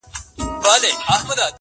قانع انسان له اضطراب څخه لرې وي.